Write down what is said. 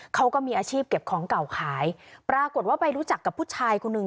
เขาก็มีอาชีพเก็บของเก่าขายปรากฏว่าไปรู้จักกับผู้ชายคนหนึ่ง